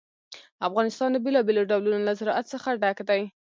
افغانستان د بېلابېلو ډولونو له زراعت څخه ډک دی.